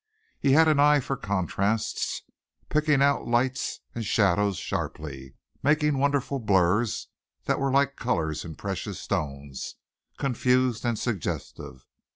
He had an eye for contrasts, picking out lights and shadows sharply, making wonderful blurs that were like colors in precious stones, confused and suggestive.